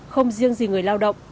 không riêng gì người lao động